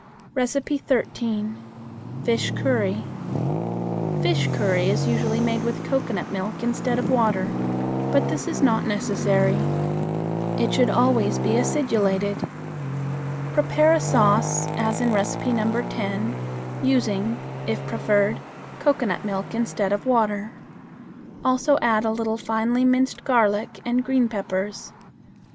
13. Fish Curry. Fish curry is usually made with cocoanut milk instead of water, but this is not necessary. It should always be acidulated. Prepare a sauce, as in No. 10, using, if preferred, cocoanut milk instead of water. Also add a little finely minced garlic and green peppers.